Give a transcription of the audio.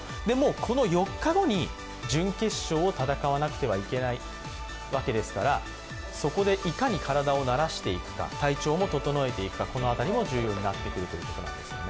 この４日後に準決勝を戦わなければいけないわけですから、そこでいかに体をならしていくか、体調も整えていくかこの辺りも重要になってくるということです。